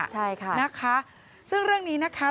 ใช่ค่ะนะคะซึ่งเรื่องนี้นะคะ